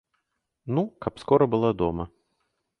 Ну, каб скора была дома.